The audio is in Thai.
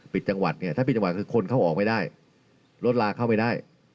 จังหวัดเนี่ยถ้าปิดจังหวัดคือคนเข้าออกไม่ได้รถลาเข้าไม่ได้